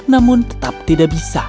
namun tetap tidak bisa